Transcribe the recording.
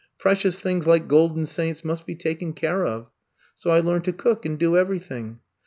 Precious things like golden saints must be taken care of/ So I learned to cook and do everything.